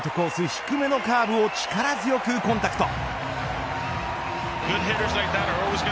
低めのカーブを力強くコンタクト。